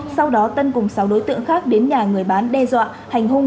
sau đó tân cùng sáu đối tượng khác đến nhà người bán đe dọa hành hung